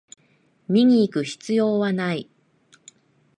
見にいく必要はない